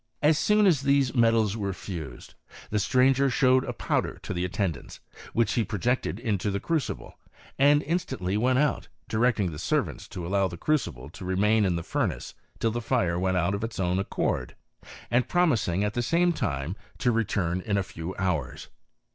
As soon as thea metals were fused, the stranger showed a powder attendants, which he projected into the crucible, aDtU instantly went out, directing the servants to allow tl crucible to remain in the furnace till the fire went o' of its own accord, and promising at the same time t4 return in a few hours.